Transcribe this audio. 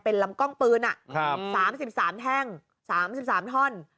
เป็นลำกล้องปืน๓๓แท่ง๓๓ท่อน